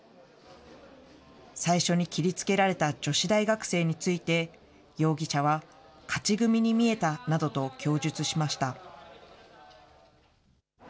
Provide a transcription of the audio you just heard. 最初に切りつけられた女子大学生について、容疑者は、勝ち組に見えたなどと供述しました。